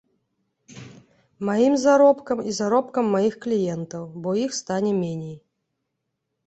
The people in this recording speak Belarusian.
Маім заробкам і заробкам маіх кліентаў, бо іх стане меней.